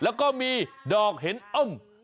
แล้วก็มีดอกเห็นอ้อม